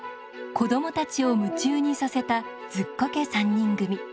子どもたちを夢中にさせた「ズッコケ三人組」。